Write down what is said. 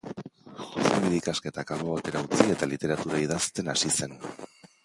Zuzenbide ikasketak albo batera utzi, eta literatura idazten hasi zen.